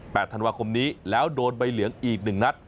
ธันวาคมนี้แล้วโดนใบเหลืองอีกหนึ่งนัด